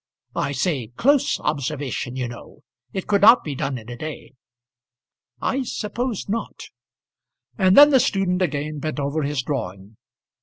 I say close observation, you know. It could not be done in a day." "I suppose not." And then the student again bent over his drawing.